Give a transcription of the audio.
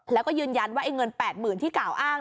แล้วก็ยืนยันว่าเงิน๘๐๐๐ที่กล่าวอ้าง